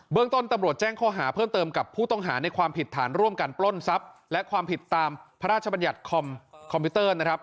เรื่องต้นตำรวจแจ้งข้อหาเพิ่มเติมกับผู้ต้องหาในความผิดฐานร่วมกันปล้นทรัพย์และความผิดตามพระราชบัญญัติคอมพิวเตอร์นะครับ